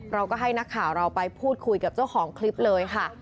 เราก็ให้นักข่าวเราไปพูดคุยกับเจ้าของคลิปเลยค่ะ